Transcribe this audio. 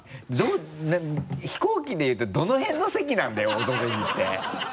飛行機でいうとどの辺の席なんだよ「オドぜひ」って。